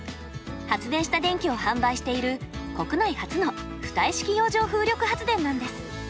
発電した電気を販売している国内初の浮体式洋上風力発電なんです。